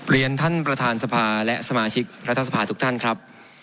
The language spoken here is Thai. เรียนท่านประธานสภาและสมาชิกรัฐสภาทุกท่านครับ